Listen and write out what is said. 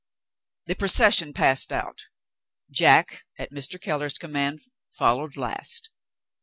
The procession passed out. Jack, at Mr. Keller's command, followed last.